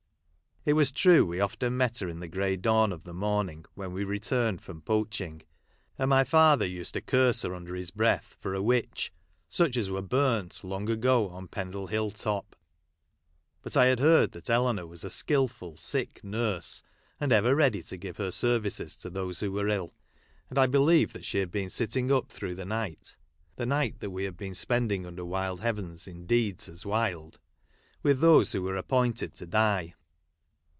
It was true we often met her in the grey dawn of the morning when we returned from poaching, and my father used to curse her, under his breath, for a witch, such as were burnt, long ago, on Pendle Hill top ; but I had heard that Eleanor was a skilful sick nurse, and ever ready to give her services to those who were ill ; and I believe that she had been sitting up through the night (the night that we had been spending under the wild heavens, in deeds as wild), with those who were appointed to die.